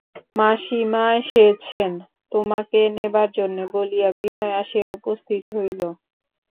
মাসি, মা এসেছেন তোমাকে নেবার জন্যে বলিয়া বিনয় আসিয়া উপস্থিত হইল।